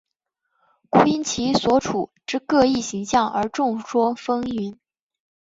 故因其所处之各异形象而众说纷纭。